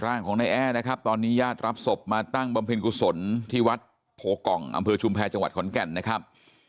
ร่างของนายแอร์นะครับตอนนี้ญาติรับศพมาตั้งบำเพ็ญกุศลที่วัดโพกองอำเภอชุมแพรจังหวัดขอนแก่นนะครับ